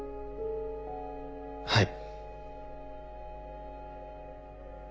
はい。